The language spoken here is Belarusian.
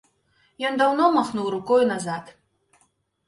Ён адно махнуў рукою назад.